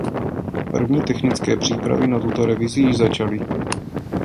První technické přípravy na tuto revizi již začaly.